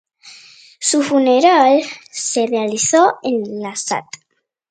Su funeral se realizó en la St.